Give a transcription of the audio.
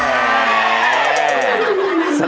สะดุดตา